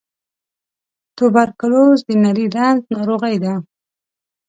توبرکلوز د نري رنځ ناروغۍ ده.